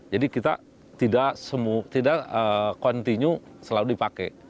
jadi kita tidak continue selalu dipakai